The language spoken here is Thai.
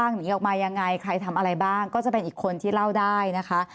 หนีออกมายังไงใครทำอะไรบ้างก็จะเป็นอีกคนที่เล่าได้นะคะ